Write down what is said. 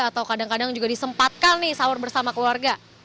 atau kadang kadang juga disempatkan nih sahur bersama keluarga